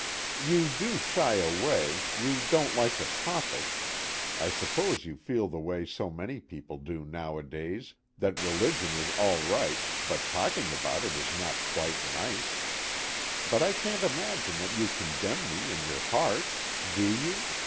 You do shy away, you don't like the topic, I suppose you feel the way so many people do nowadays, that religion is all right but talking about it is not quite nice. But I can't imagine that you condemn me in your heart (do you?)